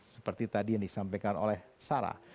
seperti tadi yang disampaikan oleh sarah